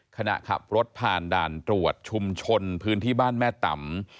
ขณะขับรถผ่านด่านตรวจชุมชนพื้นที่บ้านแม่ต่ำ